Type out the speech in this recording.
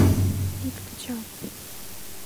— Ит кычал...